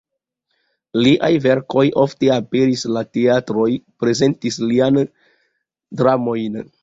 Liaj verkoj ofte aperis, la teatroj prezentis liajn dramojn.